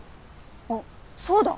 あっそうだ。